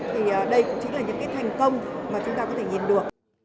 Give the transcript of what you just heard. thì đây cũng chính là những cái thành công mà chúng ta có thể nhìn được